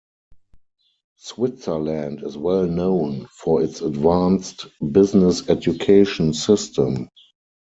Switzerland is well known for its advanced business education system.